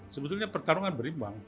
sebetulnya pertarungan berimbang